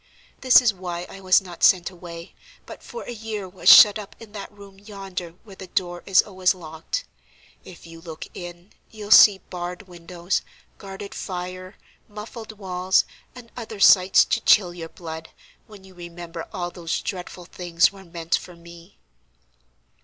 This is why I was not sent away, but for a year was shut up in that room yonder where the door is always locked. If you look in, you'll see barred windows, guarded fire, muffled walls, and other sights to chill your blood, when you remember all those dreadful things were meant for me."